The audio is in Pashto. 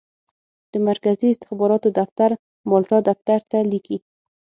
د مرکزي استخباراتو دفتر مالټا دفتر ته لیکي.